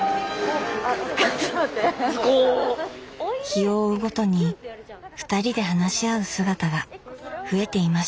日を追うごとにふたりで話し合う姿が増えていました。